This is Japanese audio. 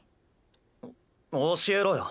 お教えろよ。